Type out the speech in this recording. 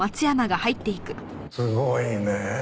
すごいねえ。